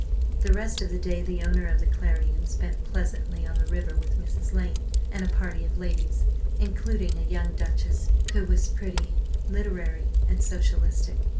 The rest of the day the owner of the Clarion spent pleasantly on the river with Mrs. Lane and a party of ladies, including a young Duchess, who was pretty, literary, and socialistic.